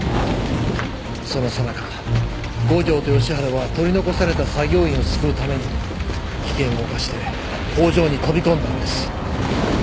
そのさなか五条と吉原は取り残された作業員を救うために危険を冒して工場に飛び込んだんです。